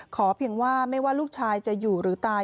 เพียงว่าไม่ว่าลูกชายจะอยู่หรือตาย